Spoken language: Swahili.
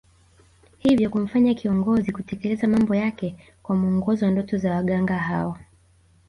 Hivyo kumfanya kiongozi kutekeleza mambo yake kwa mwongozo wa ndoto za waganga hao